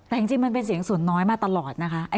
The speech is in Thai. แต่จริงมันเป็นเสียงส่วนน้อยมาตลอดนะคะ